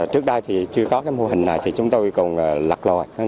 trước đây thì chưa có cái mô hình này thì chúng tôi còn lạc lòi